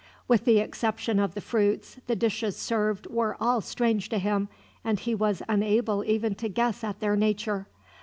With the exception of the fruits, the dishes served were all strange to him, and he was unable even to guess at their nature.